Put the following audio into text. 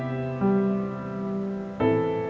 pagi pagi siapa yang dikutuk dan kenapa